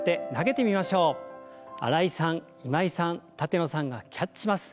新井さん今井さん舘野さんがキャッチします。